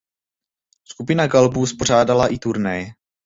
Skupina k albu uspořádala i turné.